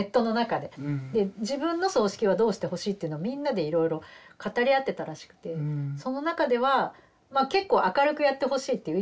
で自分の葬式はどうしてほしいというのをみんなでいろいろ語り合ってたらしくてその中ではまあ結構明るくやってほしいっていう意見が多数で。